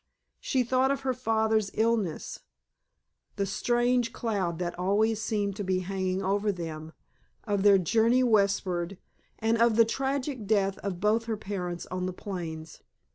She thought of her father's illness, the strange cloud that always seemed to be hanging over them, of their journey westward, and of the tragic death of both her parents on the plains.